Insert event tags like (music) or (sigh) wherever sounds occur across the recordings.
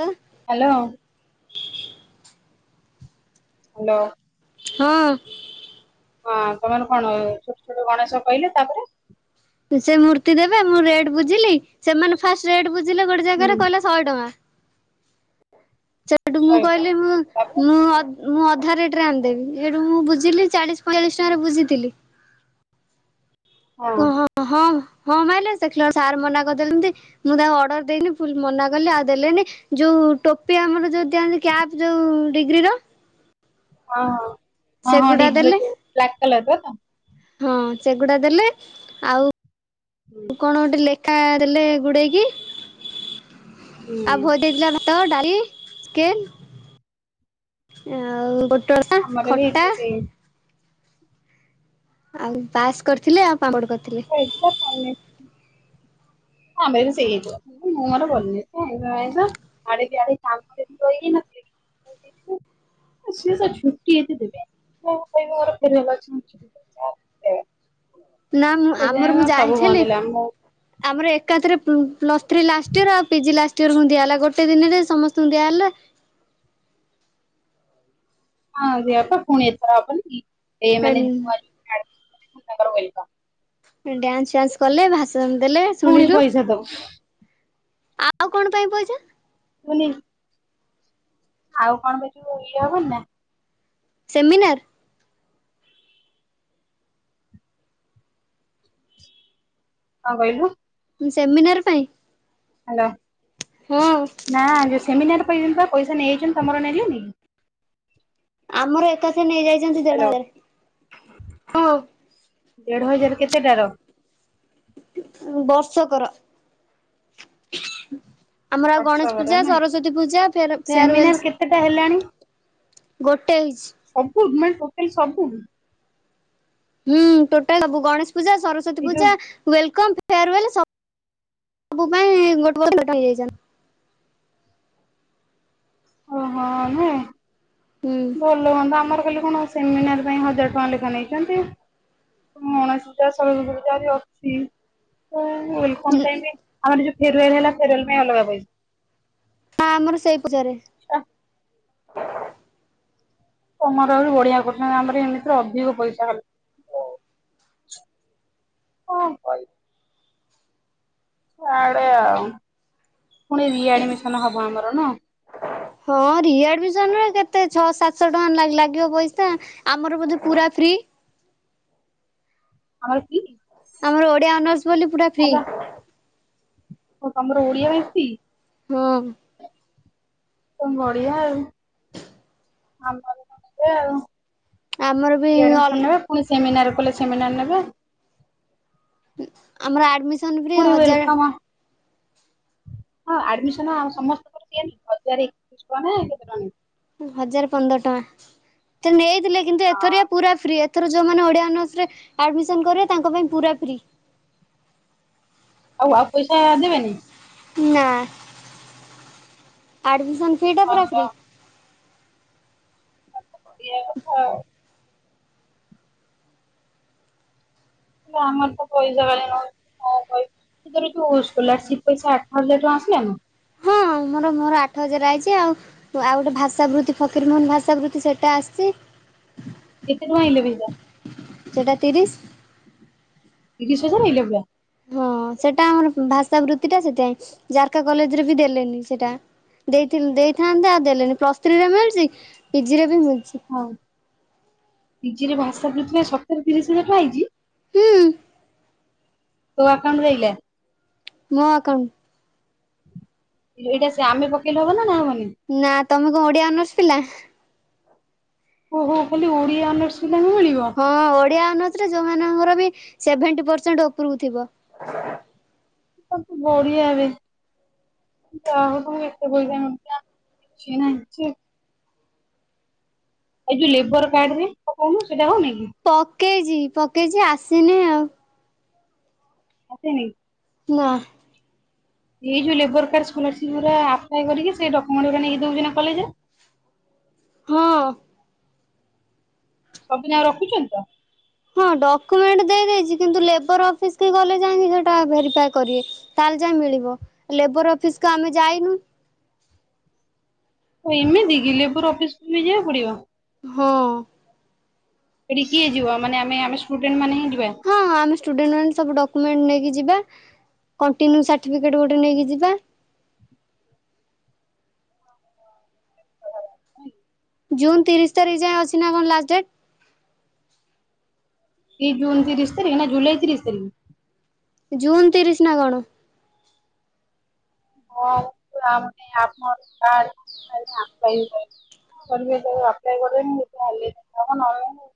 ହଁ। Hello. Hello. ହଁ। ହଁ ତମେ କଣ ଗଣେଶ କହିଲେ ତାପରେ ସେ ମୂର୍ତ୍ତି ଦେବେ ମୁଁ ରେଟ୍ ବୁଝିଲି ସେମାନେ ଫାଷ୍ଟ ରେଟ୍ ବୁଝିଲେ ଗୋଟେ ହୁଁ ଜାଗାରେ କହିଲେ ଶହେ ଟଙ୍କା। ସେଠୁ ମୁଁ ଶହେ ଟଙ୍କା କହିଲି ମୁଁ ତାପରେ ମୁଁ ଅ ମୁଁ ଅଧା ରେଟରେ ଆଣିଦେବି। ସେଇଠୁ ମୁଁ ବୁଝିଲି ଚାଳିଶ ପଇଁଚାଳିଶ ଟଙ୍କାରେ ବୁଝିଥିଲି। ହଉ। ହଁ ହଁ ମାଇଲେ ଦେଖିଲା ବେଳକୁ ସାର୍ ମନା କରିଦେଲେ ତି। ମୁଁ ତାଙ୍କୁ ଅର୍ଡର ଦେଇନି। ପୁଣି ମନା କଲି ଆଉ ଦେଲେନି। ଯୋଉ ଟୋପି ଆମର ଯୋଉ ଦିଅନ୍ତି କ୍ୟାପ୍ ଯୋଉ ଡିଗ୍ରୀର। ହଁ ହଁ ହଁ ହଁ ସେଗୁଡା ଡିଗ୍ରୀର ଦେଲେ ଯୋଉ ବ୍ଲାକ୍ କଲରଟା ତ। ହଁ ସେଗୁଡା ଦେଲେ। ଆଉ ହୁଁ କଣ ଗୋଟେ ଅଖା ଦେଲେ ଗୁଡେଇକି। ଆଉ ହୁଁ ବୋଉ ଦେଇଥିଲା ତ ଡାଲି ଚିକେନ ଆଉ ପୋଟଳ, ଆମର ବି ହେଇଥିଲା ଖଟା ସେଇ ଆଉ ପାସ୍ କରିଥିଲେ ଆଉ ପାମ୍ପଡ କରିଥିଲେ। (unintelligible) ଆମେ ବି ସେଇ (unintelligible) (unintelligible) ସିଏ ସେ ଛୁଟି ଏତେ ଦେବେନି। ମୁଁ ତାଙ୍କୁ କହିବି (unintelligible) (inaudible) ନା ମୁଁ ଆମର ମୁଁ ସେଥିପାଇଁ ସବୁ ବନ୍ଦ ଯାଇଥେଲି। ହେଲା ମୁଁ ଆମର ଏକାଥରେ ପ୍ଲସ୍ ଥ୍ରୀ ଲାଷ୍ଟ ଇୟର୍ ଆଉ ପିଜି ଲାଷ୍ଟ ଇୟରକୁ ଦିଆ ହେଲା ଗୋଟେ ଦିନରେ ସମସ୍ତଙ୍କୁ ଦିଆହେଲା। ହଁ ଦିଆ ହବ ବା ପୁଣି ଏଥର ହେବନି ଏମାନେ (unintelligible) ତାଙ୍କର ୱେଲକମ୍। ଡ୍ୟାନ୍ସ ଫ୍ୟାନ୍ସ କଲେ ଭାଷଣ ଦେଲେ। ପୁଣି ଶୁଣିଲୁ। ପଇସା ଦବ। ଆଉ କଣ ପାଇଁ ପଇସା? ମୁନି ଆଉ କଣ ପାଇଁ ଯୋଉ ଇଏ ହବନି ନା? ସେମିନାର୍। କଁ କହିଲୁ? ସେମିନାର୍ ପାଇଁ। ହ୍ୟାଲୋ। ହଁ। ଆମର ଏକାଥରେ ନେଇ ଯାଇଛନ୍ତି ଦେଢ ହାଲୋ ହାଜାର। ଦେଢ ହଜାର କେତେଟାର? ବର୍ଷ କର। ଆମର ଆଉ ଗଣେଶ ବର୍ଷକର ପୂଜା ନାଇଁ ସରସ୍ଵତୀ ପୂଜା ଫ୍ୟାର୍ ସେମିନାର ଫ୍ୟାରେୱଲ୍ସ। କେତେଟା ହେଲାଣି ଗୋଟେ ହେଇଛି। ସବୁ ନା ଟୋଟାଲ ସବୁ କି? ହୁଁ ଟୋଟାଲ ସବୁ ଗଣେଶ ପୂଜା ସରସ୍ଵତୀ ଏଇ ଯୋଉ ପୂଜା ୱଲକମ୍। ଫ୍ୟାରୁୱଲ୍ ସବୁ ପାଇଁ ଗୋଟେ ଗୋଟ (unintelligible) ଟୋଟାଲ (unintelligible) ଓହୋ। ଭଲ ହୁଅନ୍ତା ଆମର ଖାଲି କଣ ସେମିନାର୍ ପାଇଁ ହଜାର ଟଙ୍କା ଲେଖା ନେଇଚନ୍ତି। ଗଣେଶ ପୂଜା ସରସ୍ବତୀ ପୂଜା ଆହୁରି ଅଛି। ତମ ହୁଁ ପାଇଁକି ଆମର ଯୋଉ ଫେରୱଲ ହେଲା ଫେରୱଲ ପାଇଁ ଅଲଗା ପଇସା। ହଁ ଆମର ସେଇ ପୂଜାରେ। ତମର ବି ବଢିଆ କରୁଚନ୍ତି ଆମର ଏମିତିରେ ଅଧିକ ପଇସା ଖାଲି। କଁ କହିବି? ପୁଣି ରିଆଡ୍ମିସନ୍ ହବ ଆମର ନା। ହଁ ରିଆଡ୍ମିସନରେ କେତେ ଛଅ ସାତଶହ ଟଙ୍କା ଲାଗିବ ପଇସା। ଆମର ବୋଧେ ପୁରା ଫ୍ରି। ଆମର କି (unintelligible) ଆମର ଓଡିଆ ଅନର୍ସ ବୋଲି ପୁରା ଫ୍ରି। ହଉ ତମର ଓଡିଆ ବାସୀ। ହଁ। ବଢିଆ ଆଉ। ଆଣ ଆଉ ଆମର ବି ଆଡ ଶଣ (unintelligible) ପୁଣି ସେମିନାର କଲେ ସେମିନାର ନେବେ। ଆମର ଆଡ଼ମିସନ୍ ଫି ପୁଣି ହଜାର ୱେଲକମ୍ ହଁ ଆଡମିସନ ଆଉ ସମସ୍ତଙ୍କର ଦିଏନି ହଜାର ଏକତିଶ ଟଙ୍କା କେତେ ଟଙ୍କା। ହଜାର ପନ୍ଦର ଟଙ୍କା ତ ନେଇଥିଲେ କିନ୍ତୁ ହଁ ଏଥରଆ ପୁରା ଫ୍ରି ଅଛି। ଥର ଯେଉଁମାନେ ଓଡ଼ିଆ ଅନର୍ସରେ ଆଡ଼ମିସନ୍ କରିବେ ତାଙ୍କ ପାଇଁ ପୁରା ଫ୍ରି। ଆଉ ଆଉ ପଇସା ଦେବେନି। ନା ଆଡମିସନ ଫି ଟା ଫ୍ରି। ଆ ହଁ (unintelligible) ଆମର ତ ପଇସା ବା ନ କ (unintelligible) ଯୋଉ ସ୍କଲାରସିପ୍ ପଇସା ଆଠ ହଜାର ଟଙ୍କା ଆସିଲାନି। ତୁୋର ମୋର ଆଠ ହଜାର ଆଇଛି ଆଉ ଆଉ ଗୋଟେ ଭାଷାାବୃତ୍ତି ଫକୀରମୋହନ ଭାଷାାବୃତ୍ତି ସେଇଟା ଆସିଛି। କେତେ କଣ ଆଁଲେ ଭା (unintelligible) ସେଟା ତିରିଶ। ତିରିଶ ହଜା ନେଇ ଲେିବା (unintelligible) ହଁ ସେଟା ଆମର ଭାଷା ବୃତ୍ତି ଟା ସେଥିାଇଁ ଜାରକା କଲେଜ ରେ ବି ଦେଲେନି ସେଟା। ଦେଇ ଦେଇଥାନ୍ତେ ଆଉ ଦେଲେନି ପ୍ଲସ୍ ଥ୍ରୀରେ ମିଳୁଛି ପିଜି ରେ ବି ମିଳି। ହଉ ପିଜିରେ ଭାଷା ପୃଥ ସତର ତିରିଶ ଲେଖା ହେଇଛି। ହୁଁ ତୋ ଆକାଉଣ୍ଟ ଆଇଲା। ମୋ ଆକାଉଣ୍ଟ୍। ଏଇଟା ସେ ଆମେ ପକେଇଲେ ହବ ନା ହବନି। ନା ତମେ କଣ ଓଡିଆ ଅନର୍ସ ପିଲା। ଓହୋ ଖାଲି ଓଡିଆ ଅନର୍ସ ପିଲାଙ୍କୁ ମିଳିବ। ହଁ ଓଡ଼ିଆ ଅନର୍ସରେ ଯେଉଁମାନଙ୍କର ବି ସେଭେଣ୍ଟି ପରସେଣ୍ଟ ଉପରକୁ ଥିବ। ସୁ ବଢିଆ ବେ। ତ ଏତେ ବ କିଛି ନାହିଁ ଛି। ଏଇ ଯୋଉ ଲେବର କାର୍ଡ ରେ ପକାଉନୁ ସେଟା ହଉନଇ କି। ପକେଇଛି ପକେଇଛି ଆସିନି ଆଉ। ଆସିନି। ନା। ଏଇୋଉ ଲେବର କାର୍ଡ ସ୍କଲରସିପ୍ ଗୁା ଆପ୍ଲାଏ କରିକ ସେଇ ଡ୍ୟମେଣ୍ଟୁା ନେଇକ ଦଉଛି ନା କଲେଜରେ। ହଁ। ସବୁଯାକ ରଖୁଛନ୍ତି ତ। ହଁ ଡକ୍ୟୁମେଣ୍ଟ ଦେଇ ଦେଇେଇଛି କିନ୍ତୁ ଲେବର ଅଫିସ କି ଗଲେ ଯାଇି ସେଟା ଭେରିଫା କରିବେ। ତାହେଲେ ଯାଏ ମିଳିବ ଲେବର ଅଫିସକୁୁ ଆମେ ଯାଇନୁ। ହ ଏମିତି ଗିଲିପୁର ଅଫିସକୁୁ ନେଇ ଯିବାକୁ ପଡିବ। ହଁ। ଏଠିଏ ଯିବାନ ଆମେ ଆମେଷ୍ଟୁଡେଣ୍ଟ ମାନେ ଯିବା। ହଁ ଆମେ ଷ୍ଟୁଡେଣ୍ଟ ମାନେ ସବୁ ଡକ୍ୟୁମେଣ୍ଟ ନେଇକି ଯିବା। କଣ୍ଟିନ୍ୟୁ ସାର୍ଟିଫେଟ ଗୋଟେ ନେଇକି ଯିବା। (unintelligible) ଜୁନ୍ ତିରିଶ ତାରିଖ ଯାଏ ଅଛି ନା କଣ ଲାଷ୍ଟ ଡେଟ? ଏଇ ଜୁନ୍ ତିରିଶ ନା ଜୁଲାଇ ତିରିଶି ତାରିଖରେ? ଜୁନ୍ ତିରିଶ ନା କଣ। ହଁ ଆମ ଆପର (unintelligible) (unintelligible) ଆପ୍ଲାଏ (unintelligible) ହେଲେ ହବ ନହେଲେ ନାହିଁ।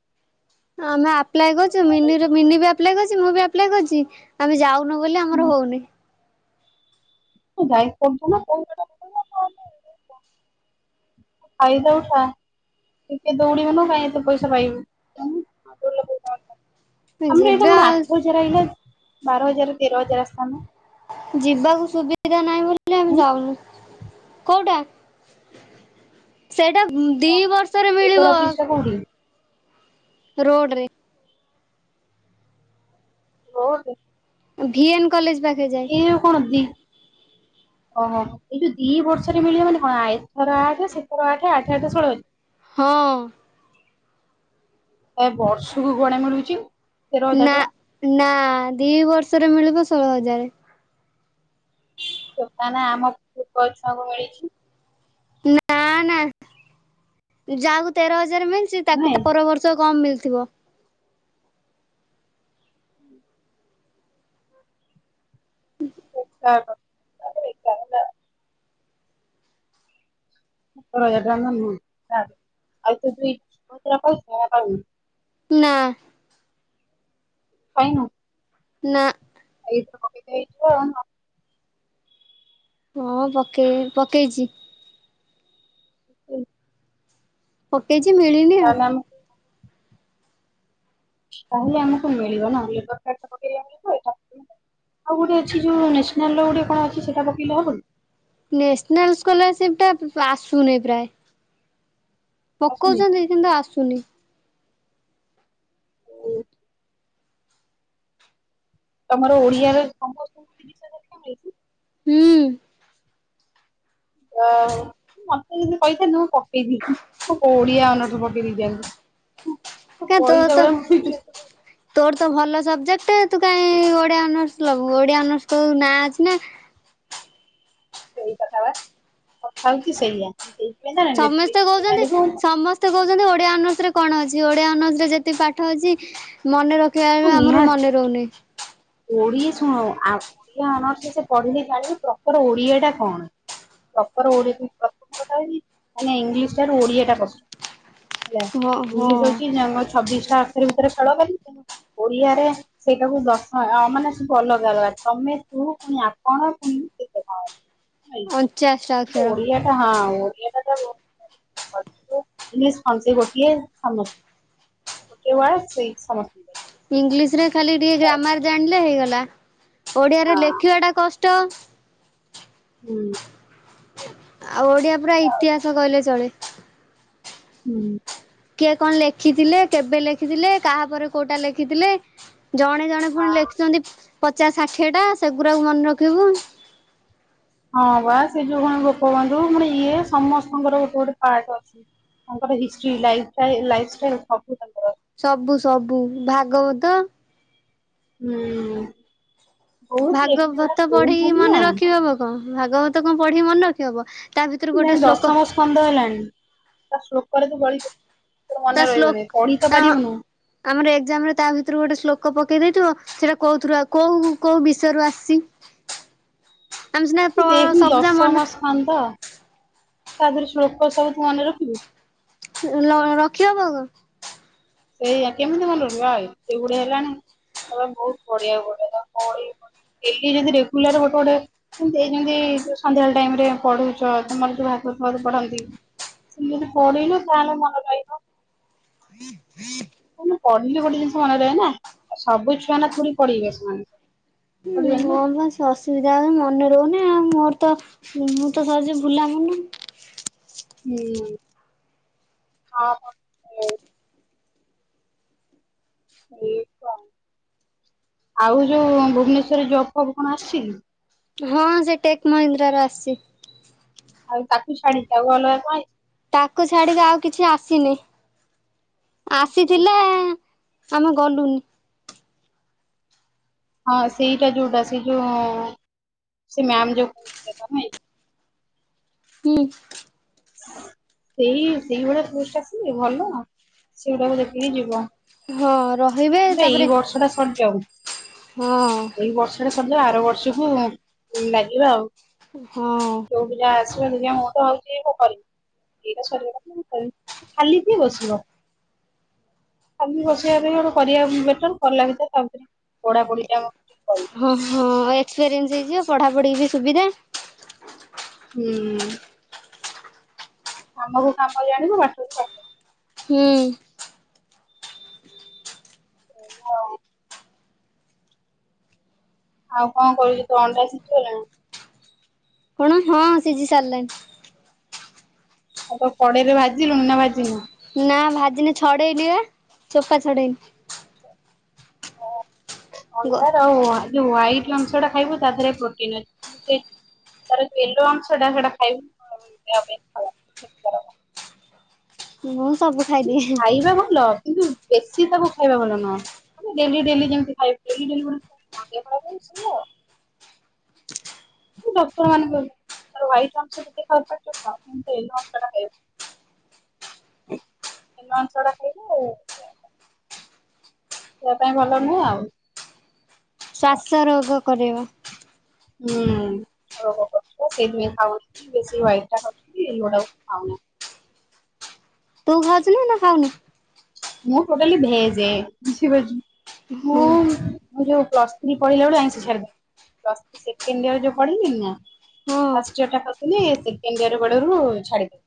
ଆମେ ଆପ୍ଏ କରୁଛୁ ମିନି ବିପ୍ଏ କରୁ ମୁଁ ବିପ୍ଲାଏ କରୁଛି ଆମେ କରିଛି ଆମେ ଯାଉ ବୋଲି ଆମର ହଉନି। ଯାଇ (unintelligible) ଫାଇଦା ଉଠା। ଟିକେ ଦୌଡିବ ନା କାଇଁ ଏତେ ପଇସ ପାଇବୁ। (unintelligible) ଆମର ଏଇଟା ଯିବା କଣ ଆଠ ହଜାର ଆଇଲା ବାର ହଜାର ତେର ହଜାର ଆସିଥାନ୍ତା। ଯିବାକୁ ସୁବିଧା ନାହିଁ ବୋଲି ଆମେ ଉଁ ଯାଉନୁ। କୋଉଟା ସେଇଟା ଦି ହଁ ବର୍ଷରେ ମିଳିବ। ଲେବର ଅଫିସ ଟା କୋଉଠି? ରୋଡ ରେ। କୋଉଠେ? ଭିଏନ୍ କଲେଜ ପାଖେ ଯା କିଏ କଣ ଦି ଓହୋ ଏଇ ଯୋଉ ଦି ବର୍ଷରେ ମିଳିବ ମାନେ କଣ ଏଥର ଆଠ ସେଥର ଆଠ ଆଠ ଆଠ ଷୋଲ ହଜାର। ହଁ। ଏ ବର୍ଷକୁ କୁଆଡେ ମିଳୁଛି। ତେର ନା ହଜାର ନା ଦି ବର୍ଷରେ ମିଳିବ ଷୋହଳ ହଜାରେ। ଦୋକାନ ଆମ ପୁର୍ବ ଛୁଆଙ୍କୁ ମିଳିଛି। ନା ନା ଯାକୁ ତେର ହଜାର ମି ତାକୁ ନୁହେଁ ତା ପର ବର୍ଷ କମ ମିଳିଥିବ। ବେକାର କଥା ତାପରେ ବେକାର ହେଲା (unintelligible) ନା। ପାଇନୁ? ନା। ଏଇଥିରେ କଟିଯାଇଥିବ ଆଉ ନା। ହଁ ପକେଇ ପକେଇଛି। ଉଁ ପକେଇଚି ମିଳିନି ଆଉ। ଆମକୁ ତାହେଲେ ଆମକୁ ମିଳିବ ନା ଲେବର କାର୍ଡ (unintelligible) ଆଉ ଗୋଟେ ଅଛି ଯୋଉଁ ନେସନାଲ ର କଣ ଗୋଟେ ଅଛି ସେଟା ପକେଇଲେ ହବନି। ନ୍ୟାସନାଲ ସ୍କଲରସିପ ଟା ଆସୁନି ପ୍ରାୟ ଆସୁନି ପକଉଛନ୍ତି। ସେନ୍ତା ଆସୁନି। ଉଁ ତମର ଓଡିଆର ସମ ହୁଁ। ଆ ମତେ ଯଦି କହିଥାନ୍ତ ମୁଁ ପକେଇ ଦେଇଛି ଓଡ଼ିଆ ଅନର୍ସ ପକେଇ ଦେଇଛି। କା ତୋ ପଇସା ତ ଏଡା (unintelligible) ତୋର ତ ଭଲ ସବଜେକ୍ଟ ତୁ କାଇହିଁ ଓଡିଆ ଅନର୍ସ ନବୁ ଓଡିଆ ଅନର୍ସ ତ ନାଁ ଅଛି ନା। ସେଇ କଥା ବା, କଥା ହଉଚି ସେଇଆ। ସେଇ (unintelligible) ସମସ୍ତେ କହୁଚନ୍ତି, ସମସ୍ ମତେ କହୁଚନ୍ତି ଓଡ଼ିଆ ଅନର୍ସରେ କଣ ଅଛି? ଓଡ଼ିଆ ଅନର୍ସରେ ଯେତିକି ପାଠ ଅଛି ମନେ ରଖିବା ବେଳୁ, ଆମର ମନେ ରହୁନି। ଓଡି ଶୁଣ ଆଉ ଓଡିଆ ଅନର୍ସରେ ସେ ପଢିଲି ଜାଣିବୁ, ପ୍ରପର୍ ଓଡିଆ ଟା କଣ? ପ୍ରପର୍ ଓଡିଆ, ପ୍ରଥମ କଥା ହଉଚି ମାନେ ଇଂଲିଶ ଠାରୁ ଓଡିଆ ଟା କଷ୍ଟ। ହେଲା, ହଁ ହଁ ଇଂଲିଶି ହଉଚି (unintelligible) ଛବିଶଟା ଅକ୍ଷର ଭିତରେ ଖେଳକଲି, (unintelligible) ଓଡିଆରେ ସେଇଟାକୁ ଦର୍ଶ ମାନେ ସବୁ ଅଲଗା ଅଲଗା, ତମେ, ତୁ, ପୁଣି ଆପଣ, ପୁଣି କେତେ କଣ ଅଛି। ଭାଇ, ଅଣଚାଶଟା ଅକ୍ଷର ଓଡ଼ିଆ ଟା ହଁ ଓଡ଼ିଆ ଟା ତ ଇଂଗିଲିଶ କଣ ସେଇ ଗୋଟିଏ, ସମସ୍ ଗୋଟେ ୱାର୍ଡ ସେଇ ସମସ୍ତଙ୍କୁ। ହଁ ଇଂଲିଶ ରେ ଖାଲି ଟିକେ ଗ୍ରାମାର ଜାଣିଲେ ହେଇଗଲା, ଓଡିଆରେ ଲେଖିବା ଟା କଷ୍ଟ। ହୁଁ। ଆଉ ଓଡିଆ ପୁରା ସେମିତି ଆଉ ଇତିହାସ କହିଲେ ଚଳେ। ହୁଁ। କିଏ କଣ ଲେଖିଥିଲେ, କେବେ ଲେଖିଥିଲେ, କାହା ପରେ କୋଉଟା ଲେଖିଥିଲେ ଜଣେ ଜଣେ ପୁଣି ହଁ ଲେଖିଚନ୍ତି ପଚାଶ ଷାଠିଏ ଟା, ସେଗୁରାକୁ ମନେ ରଖିବୁ। ହଁ ବା, ସେ ଯୋଉ କଣ ଗୋପବନ୍ଧୁ, ମାନେ ଇଏ, ସମସ୍ତଙ୍କର ଗୋଟେ ଗୋଟେ ପାଟ୍ ଅଛି। ତାଙ୍କର history life style, life style ସବୁ ତାଙ୍କର ଅ ସବୁ ସବୁ ଭାଗବତ ହୁଁ। ବହୁତ ଏମାନେ ଭାଗବତ ପଢିକି କହୁଛନ୍ତି ନା ମନେ ରଖିବ ହବ କଣ, ଭାଗବତ କଣ ପଢିକି ମନେ ରଖି ହବ? ତା ଭିତରୁ ଗୋଟେ ଯାଇଁ ଶ୍ଲୋକ ଦଶମ ସ୍କନ୍ଦ ହେଲାଣି। ତୋର ତା ମନେ ଶ୍ଲୋକ ରହିବନେଇ, ପଢି ତ ତା ପାରିବୁନୁ ଆମର ଏକ୍ଜାମ ରେ ତା ଭିତରୁ ଗୋଟେ ଶ୍ଲୋକ ପକେଇ ଦେଇଥିବ ସେଟା କୋଉଥିରୁ ଆଉ, କୋଉ କୋଉ ବିଷୟରୁୁ ଆସିଚି? (inaudible) ଏ ଦେଖୁିନୁ ସବୁଯା ମନେ ଦଶମ ସ୍କନ୍ଦ, ତା ଦେହରେ ଶ୍ଳୋକ ସବୁ ତୁ ମନେ ରଖିବୁ? ରଖି ହବ ଆଗ? ସେଇଆ, କେମିତି ମନେ ରଖବୁ, ଆ ଏତେ ଗୁଡେ ହେଲାଣି, ତା ପାଇଁ ବହୁତ ପଢ଼ିଆକୁ ପଡିବ, (unintelligible) ଡେଲି ଯେମିତି ରେଗୁଲାର ଗୋଟେ ଗୋଟେ ଏଇ ଯେମତି ଯ ସନ୍ଧ୍ୟାବେଳେ ଟାଇମ୍ ରେ ପଢୁଚ, ତମର ଯୋଉ ଭାଗବତ ଫାଗବତ ପଢନ୍ତି। ସେମିତି ପଢିନ, କଣ ମନେ ରହିବ? (unintelligible) (unintelligible) ପଢିଲେ ଗୋଟେ ଜିନିଷ ମନେ ରହେ ନା, ସବୁ ଛୁଆ ନା ଥୋଡ଼ି ପଢିବେ ସେମାନେ। ହୁଁ ପଢିବେନି ନା ମୋ ବସ୍ ଅସୁବିଧା ହଉନ ମନେ ରହୁନି ଆଉ, ମୋର ତ ମୁଁ ତ ସହଜେ ଭୁଲାମନ। ହୁଁ ଆଉ ଯୋଉ ଭୁବନେଶ୍ୱରରେ ଜବ୍ ଫବ୍ କଣ ଆସିଚିକି? ହଁ, ସେ ଟେକ୍ ମହିନ୍ଦ୍ରା ରୁ ଆସିଚି। ଆଉ ତାକୁ ଛାଡିିକି, ଆଉ ଅଲଗା କଣ ଆଇଚି? ତାକୁ ଛାଡିକି ଆଉ କିଛି ଆସିନି, ଆସିଥିଲା ଆ ଆମେ ଗଲୁନି। ହଁ ସେଇଟା ଯୋଉଟା ସେ ଯୋଉ ସେ ମ୍ୟାମ୍ ଯୋଉ କହୁଥିଲେ ତମେ ହୁଁ ମ୍ ସେଇ ସେଇଭଳିଆ ପୋଷ୍ଟ ଆସିଲେ ଭଲ ସେଗୁଡଡାକୁ ଦେଖିକି ଯିବ। ହଁ ରହିବେ ଆମର ତାପରେ ଏ ବର୍ଷ ଟା ସରଯାଉ ହଁ ଏ ବର୍ଷ ସେଟା ସରଯାଉ ଆରବର୍ଷକୁ ଲାଗିବା ଆଉ। ହଁ। କ୍ଲାସ ରେ ଦୁନିଆ (unintelligible) ହୋଉଚି ପ (unintelligible) ଖାଲି କିଏ ବସିବ? ଖାଲି ବସିବା ଅପେକ୍ଷା ଗୋଟେ କରିବା ବେଟର୍ କଲା ଭିତରେ ତାପରେ ପଢ଼ାପଢ଼ି ଟା କରିବୁ ହଁ ହଁ ଏକ୍ସପିରିଏନ୍ସ ହେଇଯିବ ପଢାପଢି ବି ସୁବିଧା ହୁଁ। ଆମକୁ କାମ ଯାଣିବୁ (unintelligible) ହୁଁ। ହଉ। ଆଉ କଣ କରୁଚୁ ତୋ ଅଣ୍ଡା ସିଝି ଗଲାଣି? କଣ ହଁ ସିଝି ସାରିଲାଣିି। ଆଉ ତାକୁ କଡେଇ ରେ ଭାଜିଲୁଣି ନା ଭାଜିନୁ? ନା ଭାଜିନି ଛଡେଇନି ବା ଚୋପା ଛଡେଇନି। ଗ ଅଣ୍ଡାର ଆଉ ଯୋଉ ହ୍ୱାଇଟ୍ ଅଂଶ ଟା ଖାଇବୁ ତା ଦେହରେ ପ୍ରୋଟିନ୍ ଅଛି। ତାର ଯୋଉ ୟେଲୋ ଅଂଶଟା ସେଟା ଖାଇବୁ ଦେହ ପାଇଁ ଖରାପ। କ୍ଷତିକାରକ ମୁଁ ସବୁ ଖାଇଦିଏ। ଖାଇବା ଭଲ କିନ୍ତୁ ବେଶୀ ତାକୁ ଖାଇବା ଭଲ ନୁହଁ। ଡେଲି ଡେଲି ଯେମିତି ଖାଇବୁ ଡେ଼ଲି ଡେ଼ଲି (unintelligible) ଦେହ ଖରାପ (unintelligible) ଡକ୍ଟର ମାନଙ୍କୁ ତାର ହ୍ୱାଇଟ୍ ଅଂଶ ଯେତେ ଖାଇପାରୁଚ ଖାଅ କିନ୍ତୁ ୟେଲୋ ଅଂଶ ଟା ଖାଇବନି। ଅଂଶ ଟା ଖାଇବୁ ଦେହ ପାଇଁ ଭଲ ନୁହେଁ ଆଉ। ଶ୍ୱାସ ରୋଗ କରେଇବ। ହୁଁ (unintelligible) ସେଇଥିପାଇଁ ଖାଉନି କି ବେଶୀ ହ୍ୱାଇଟ୍ ଟା ଖାଉଚନ୍ତି ୟେଲୋ ଟା ଖାଉନାହାନ୍ତି। ତୁ ଖାଉୁଚୁ ନା ନା ଖାଉନୁ? ମୁଁ ଟୋଟଲି ଭେଯେ (unintelligible) ହଁ ମୁଁ ମୁଁ ଯୋଉ ପ୍ଲ ଥ୍ରୀ ପଢିଲାବେଳୁ ଆଇଁଷ ଛାଡି ଦେଲି ପ୍ଲସ ଥ୍ରୀ ସେସେଣ୍ଡ ଇୟର ଯୋଉ ପଢେଇିଲି ନା ହଁ। ଫାଷ୍ଟ ଇୟର ଟା କରିଥିଲି ସେକେଣ୍ଡ ଇୟର ବେଳରୁ ଛାଡିଦେଲି।